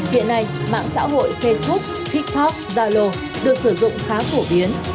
hiện nay mạng xã hội facebook tiktok zalo được sử dụng khá phổ biến